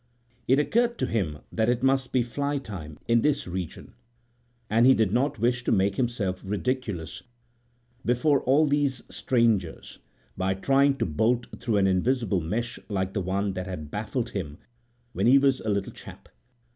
It occurred to him that it must be fly time in this region, and he did not wish to make himself ridiculous before all these strangers by trying to bolt through an invisible mesh like the one that had baffled him when he was a little chap.